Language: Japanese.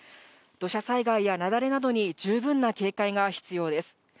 土砂災害や雪崩などに十分な警戒が必要です。